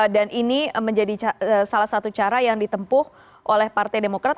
dan ini menjadi salah satu cara yang ditempuh oleh partai demokrat